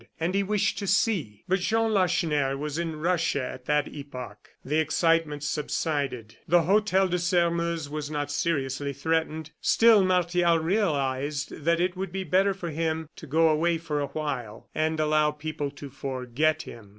And he wished to see. But Jean Lacheneur was in Russia at that epoch. The excitement subsided; the Hotel de Sairmeuse was not seriously threatened. Still Martial realized that it would be better for him to go away for a while, and allow people to forget him.